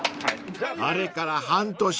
［あれから半年］